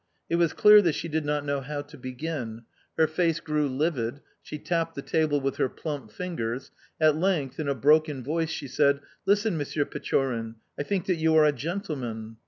It was clear that she did not know how to begin; her face grew livid, she tapped the table with her plump fingers; at length, in a broken voice, she said: "Listen, Monsieur Pechorin, I think that you are a gentleman."